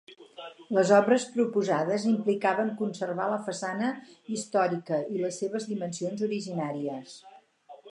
Les obres proposades implicaven conservar la façana històrica i les seves dimensions originàries.